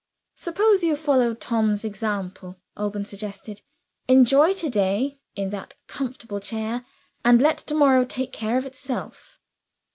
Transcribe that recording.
"Suppose you follow Tom's example?" Alban suggested. "Enjoy to day (in that comfortable chair) and let to morrow take care of itself."